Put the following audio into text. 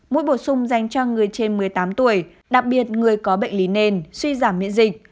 mũi bổ sung dành cho người trên một mươi tám tuổi đặc biệt người có bệnh lý nền suy giảm miễn dịch